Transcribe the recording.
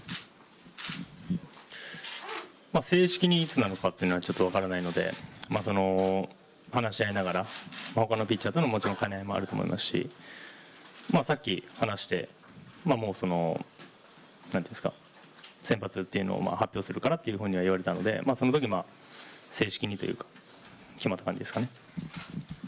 正式にいつなのかというのはちょっと分からないので、話し合いながら、他のピッチャーとの兼ね合いももちろんあると思いますしさっき話して、もう、先発というのを発表するからと言われたのでそのとき正式にというか、決まった感じですかね。